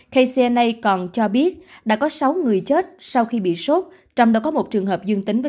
kcna còn cho biết đã có sáu người chết sau khi bị sốt trong đó có một trường hợp dương tính với